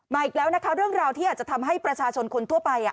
อีกแล้วนะคะเรื่องราวที่อาจจะทำให้ประชาชนคนทั่วไป